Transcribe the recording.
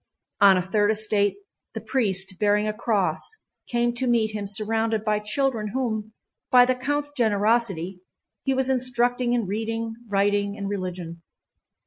On a third estate the priest, bearing a cross, came to meet him surrounded by children whom, by the count's generosity, he was instructing in reading, writing, and religion.